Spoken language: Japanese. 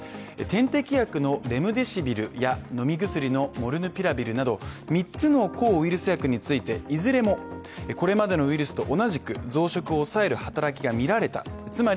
点滴薬のレムデシビルや、飲み薬のモルヌピラビルなど３つの抗ウイルス薬についていずれもこれまでのウイルスと同じく増殖を抑える働きがみられた。